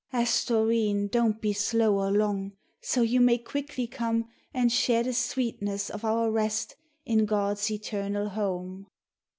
"Asthoreen, don't be slow or long, so you may quickly come And share the sweetness of our rest in God's eternal Home."